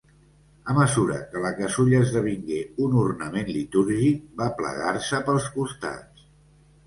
A mesura que la casulla esdevingué un ornament litúrgic, va plegar-se pels costats.